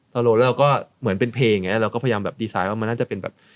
โลแล้วก็เหมือนเป็นเพลงอย่างนี้เราก็พยายามแบบดีไซน์ว่ามันน่าจะเป็นแบบ